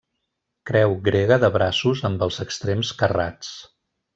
Creu grega de braços amb els extrems carrats.